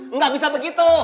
enggak bisa begitu